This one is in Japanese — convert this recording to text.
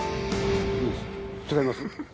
使います？